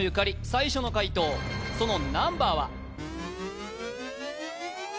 最初の解答そのナンバーは？